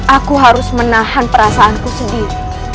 aku harus menahan perasaanku sedih